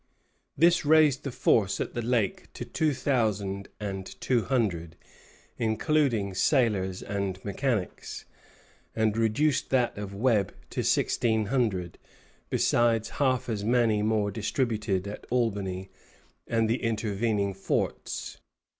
This raised the force at the lake to two thousand and two hundred, including sailors and mechanics, and reduced that of Webb to sixteen hundred, besides half as many more distributed at Albany and the intervening forts.